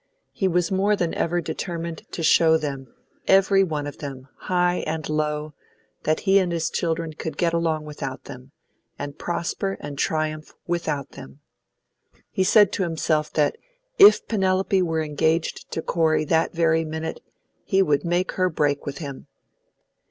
He was more than ever determined to show them, every one of them, high and low, that he and his children could get along without them, and prosper and triumph without them. He said to himself that if Penelope were engaged to Corey that very minute, he would make her break with him.